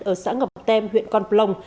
ở xã ngọc tem huyện con plong